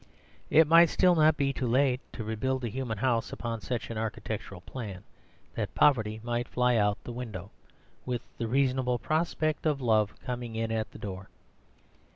It might still not be too late to rebuild the human house upon such an architectural plan that poverty might fly out of the window, with the reasonable prospect of love coming in at the door.